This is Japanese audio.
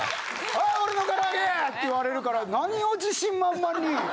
「はい俺のから揚げ」って言われるから何を自信満々に！